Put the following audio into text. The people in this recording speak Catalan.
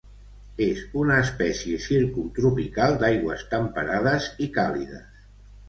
És una espècie circumtropical d'aigües temperades i càlides.